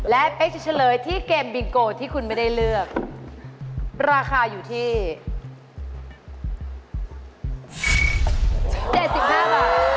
และเป๊กจะเฉลยที่เกมบิงโกที่คุณไม่ได้เลือกราคาอยู่ที่๗๕บาท